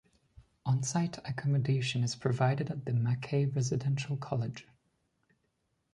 On-site accommodation is provided at the Mackay Residential College.